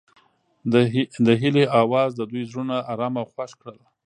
د هیلې اواز د دوی زړونه ارامه او خوښ کړل.